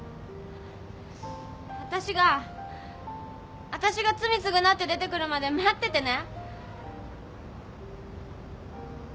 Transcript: わたしがわたしが罪償って出てくるまで待っててね。